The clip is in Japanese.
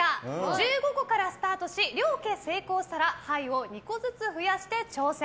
１５個からスタートし両家成功したら牌を２個ずつ増やして挑戦。